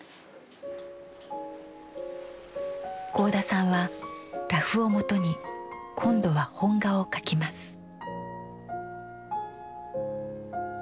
合田さんはラフをもとに今度は本画を描きます。